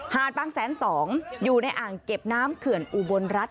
บางแสน๒อยู่ในอ่างเก็บน้ำเขื่อนอุบลรัฐ